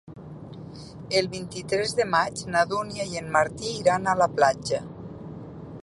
El vint-i-tres de maig na Dúnia i en Martí iran a la platja.